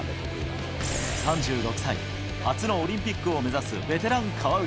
３６歳、初のオリンピックを目指すベテラン、川内。